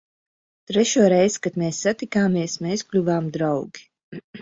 Trešo reizi, kad mēs satikāmies, mēs kļuvām draugi.